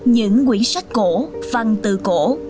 những quỹ sách cổ